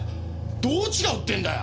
どう違うってんだよ！？